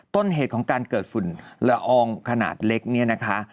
ต้นเหตุของการเกิดฝุ่นละอองขนาดเล็กเนี่ยนะคะ